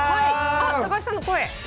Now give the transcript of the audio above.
あ高橋さんの声！